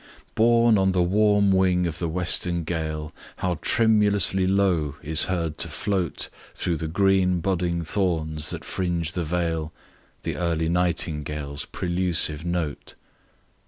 BORNE on the warm wing of the western gale, How tremulously low is heard to float Thro' the green budding thorns that fringe the vale The early Nightingale's prelusive note.